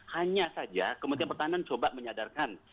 hanya saja kementerian pertahanan coba menyadarkan